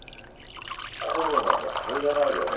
コロナも甲斐がないよね